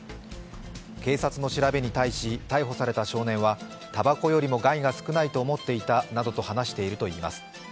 警察の調べに対し、逮捕された少年はたばこよりも害が少ないと思っていたなどと話しているといいます。